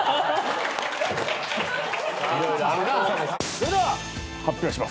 それでは発表します。